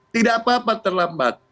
tidak apa apa terlambat